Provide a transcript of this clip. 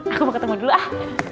aku mau ketemu dulu ah